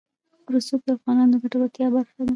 رسوب د افغانانو د ګټورتیا برخه ده.